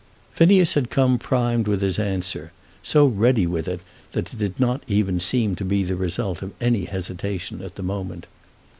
Phineas had come primed with his answer, so ready with it that it did not even seem to be the result of any hesitation at the moment.